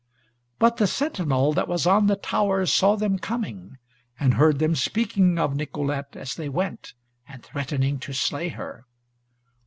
But the sentinel that was on the tower saw them coming, and heard them speaking of Nicolete as they went, and threatening to slay her.